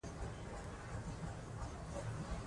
که نجونې په پروژو کې فعاله وي، نو همکارۍ اړیکې ټینګېږي.